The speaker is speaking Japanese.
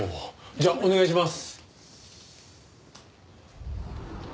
じゃあお願いします。